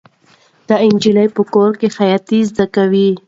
دا نجلۍ په کور کې خیاطي زده کوي.